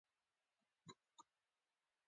د خپل مېړه د مرګ په خاطر.